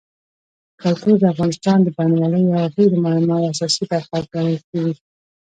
کلتور د افغانستان د بڼوالۍ یوه ډېره مهمه او اساسي برخه ګڼل کېږي.